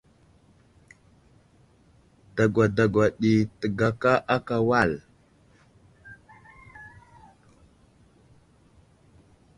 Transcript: Dagwa dagwa ɗi təgaka aka wal.